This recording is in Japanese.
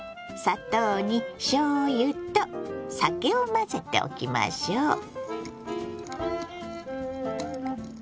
砂糖にしょうゆと酒を混ぜておきましょう。